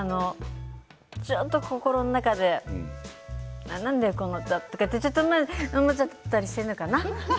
ちょっと心の中で何だよこれとか、ちょっと思っちゃったりしてるのかな。